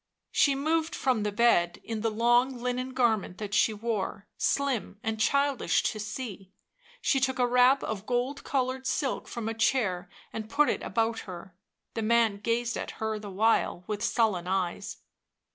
She moved from the bed, in the long linen garment that she wore, slim and childish to see. She took a wrap of gold coloured silk from a chair and put it about her. The man gazed at her the while with sullen eyes.